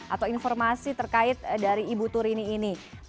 atau informasi terkait dari ibu turini ini